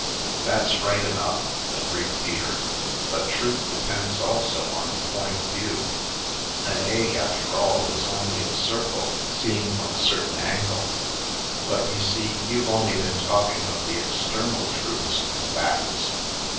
" That's right enough," agreed Peter, " but truth de pends also on the point of view. An egg, after all, is only a circle seen from a certain angle. But you see, you've only been talking of the external truths and facts.